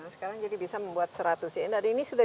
sekarang jadi bisa membuat seratus ini sudah